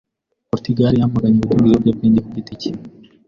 Porutugali yamaganye gutunga ibiyobyabwenge ku giti cye.